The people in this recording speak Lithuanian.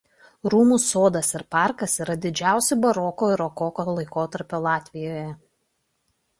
Rūmų sodas ir parkas yra didžiausi baroko ir rokoko laikotarpio Latvijoje.